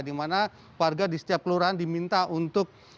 di mana warga di setiap kelurahan diminta untuk